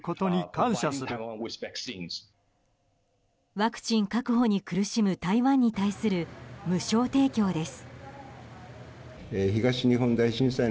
ワクチン確保に苦しむ台湾に対する無償提供です。